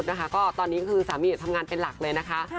ตอนนี้คือสามีประำบุค่ะแต่ทำงานเป็นหลักเลยนะคะ